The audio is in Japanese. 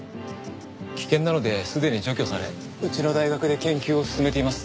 危険なのですでに除去されうちの大学で研究を進めています。